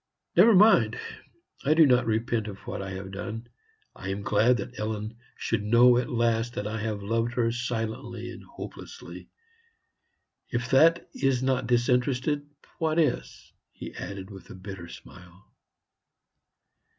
Never mind! I do not repent of what I have done; I am glad that Ellen should know at last that I have loved her silently and hopelessly. If that is not disinterested, what is?" he added with a bitter smile.